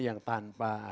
yang tanpa ada